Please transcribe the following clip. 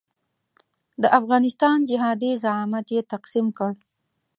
د افغانستان جهادي زعامت یې تقسیم کړ.